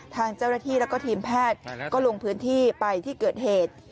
ทางเจ้าหน้าที่แล้วก็ทีมแพทย์ก็ลงพื้นที่ไปที่เกิดเหตุ